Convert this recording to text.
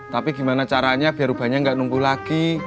tapi gimana caranya biar ubannya gak nunggu lagi